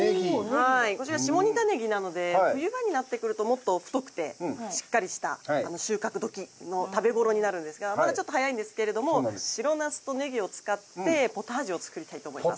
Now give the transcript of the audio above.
こちら下仁田ネギなので冬場になってくるともっと太くてしっかりした収穫時の食べ頃になるんですがまだちょっと早いんですけれども白ナスとネギを使ってポタージュを作りたいと思います。